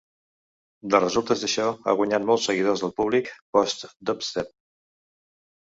De resultes d'això, ha guanyat molts seguidors del públic "post-dubstep".